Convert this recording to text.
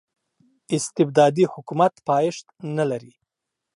استبدادي حکومت پایښت نلري.